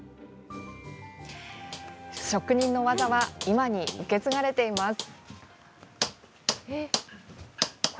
職人の技は今に受け継がれています。